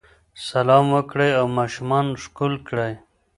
سلام ورکړئ او ماشومان ښکل کړئ.